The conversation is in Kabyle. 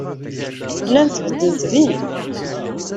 Llant beddent din.